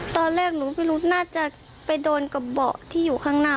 ตอนแรกหนูไม่รู้น่าจะไปโดนกระเบาะที่อยู่ข้างหน้า